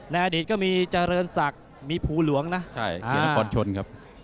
ในอดีตก็มีเจริญศักดิ์มีภูหลวงนะเขตนครชนครับ